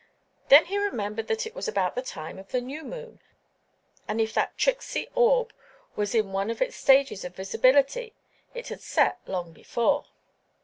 Then he remembered that it was about the time of the new moon, and if that tricksy orb was in one of its stages of visibility it had set long before.